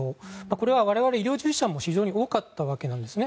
これは、我々医療従事者でも非常に多かったわけです。